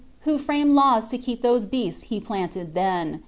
Who frame'l taw> lo keep (hose beaiu he planted then.